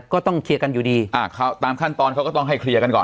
ก็ต้องเคลียร์กันอยู่ดีอ่าเขาตามขั้นตอนเขาก็ต้องให้เคลียร์กันก่อน